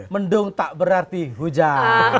mendung tak berarti hujan